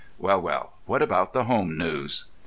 Well, well, what about the home news?"